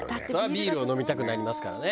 ビールを飲みたくなりますからね。